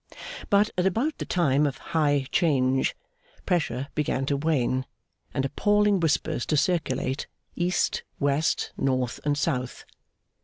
But, at about the time of High 'Change, Pressure began to wane, and appalling whispers to circulate, east, west, north, and south.